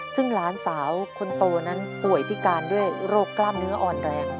ซึ่งหลานสาวคนโตนั้นป่วยพิการด้วยโรคนื้ออ่อน